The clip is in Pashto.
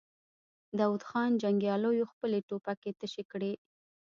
د داوود خان جنګياليو خپلې ټوپکې تشې کړې.